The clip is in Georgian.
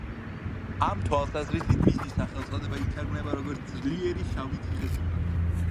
ამ თვალსაზრისით მისი სახელწოდება ითარგმნება როგორც „ძლიერი შავი ციხესიმაგრე“.